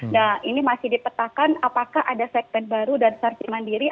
nah ini masih dipetakan apakah ada segmen baru dari sesar cemandiri